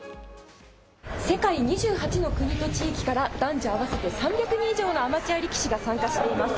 世界２８の国と地域から男女合わせて３００人以上のアマチュア力士が参加しています。